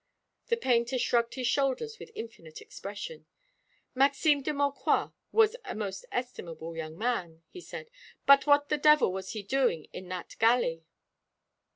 The painter shrugged his shoulders with infinite expression. "Maxime de Maucroix was a most estimable young man," he said, "but what the devil was he doing in that galley?"